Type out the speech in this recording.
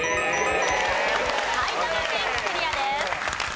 埼玉県クリアです。